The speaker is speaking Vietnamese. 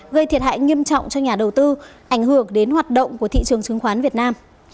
gây thiệt hại nghiêm trọng cho nhà đầu tư ảnh hưởng đến hoạt động của thị trường chứng khoán việt nam